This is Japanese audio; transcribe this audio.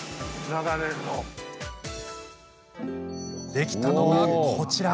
できたのが、こちら。